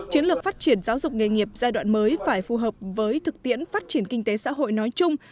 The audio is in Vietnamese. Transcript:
chiến lược phát triển giáo dục nghề nghiệp giai đoạn mới phải phù hợp với thực tiễn phát triển kinh tế xã hội nói chung